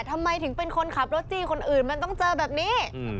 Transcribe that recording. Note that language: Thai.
ทำไมถึงเป็นคนขับรถจี้คนอื่นมันต้องเจอแบบนี้